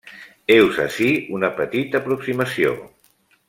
Heus ací una petita aproximació.